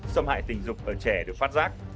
xâm hại tình dục ở trẻ được phát giác